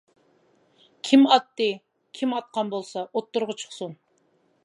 -كىم ئاتتى؟ كىم ئاتقان بولسا ئوتتۇرىغا چىقسۇن!